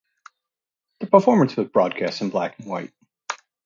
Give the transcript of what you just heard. The performance was broadcast in black and white.